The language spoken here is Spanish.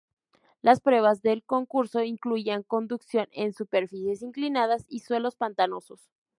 Las pruebas del concurso incluían conducción en superficies inclinadas y suelos pantanosos.